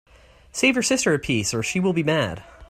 Save you sister a piece, or she will be mad.